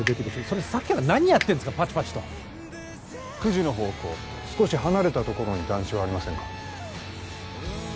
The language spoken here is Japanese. それさっきから何やってんすかパチパチと９時の方向少し離れたところに団地はありませんか？